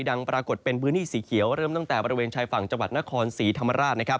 ปรากฏเป็นพื้นที่สีเขียวเริ่มตั้งแต่บริเวณชายฝั่งจังหวัดนครศรีธรรมราชนะครับ